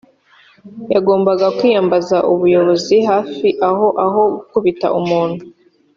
yagombaga kwiyambaza ubuyobozi hafi aho aho gukubita umuntu